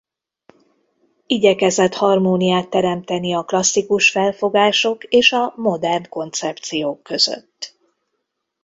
Igyekezett harmóniát teremteni a klasszikus felfogások és a modern koncepciók között.